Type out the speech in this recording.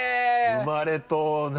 生まれと何？